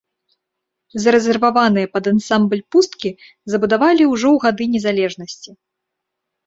Зарэзерваваныя пад ансамбль пусткі забудавалі ўжо ў гады незалежнасці.